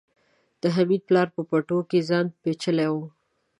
د حميد پلار په پټو کې ځان پيچلی و.